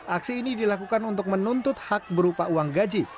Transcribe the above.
aksi ini dilakukan untuk menuntut hak berupa uang gaji